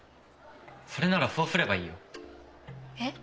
それならそうすればいいよ。えっ？